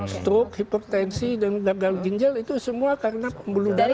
stroke hipertensi dan gagal ginjal itu semua karena pembuluh darah